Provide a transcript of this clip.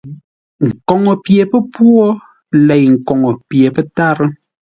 Nkoŋə pye pə́pwô lei koŋə pye pə́tárə́.